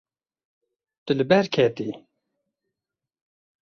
Tu li ber ketî.